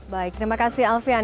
baik terima kasih alfian